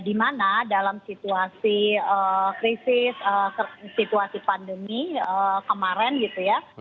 dimana dalam situasi krisis situasi pandemi kemarin gitu ya